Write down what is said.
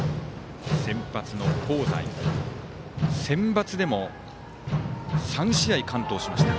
香西、センバツでも３試合完投しました。